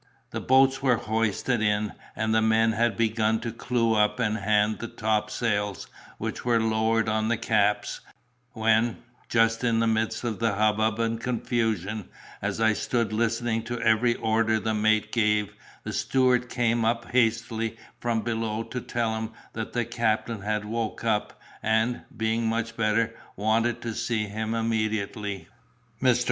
The boats were hoisted in, and the men had begun to clew up and hand the topsails, which were lowered on the caps, when, just in the midst of the hubbub and confusion, as I stood listening to every order the mate gave, the steward came up hastily from below to tell him that the captain had woke up, and, being much better, wanted to see him immediately. Mr.